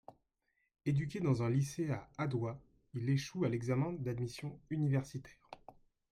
Éduqué dans un lycée à Adoua, il échoue à l'examen d'admission universitaire.